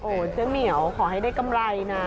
เจ๊เหมียวขอให้ได้กำไรนะ